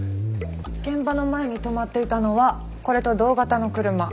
現場の前に止まっていたのはこれと同型の車。